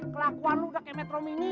kelakuan lo udah ke metro mini